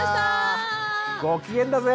ご機嫌だぜ！